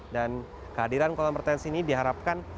dan kehadiran kolam retensi ini diharapkan